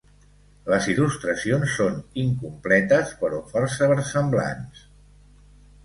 Les il·lustracions són incompletes però força versemblants.